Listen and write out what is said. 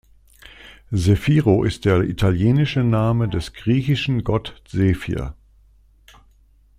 Zefiro ist der italienische Name des griechischen Gott Zephyr.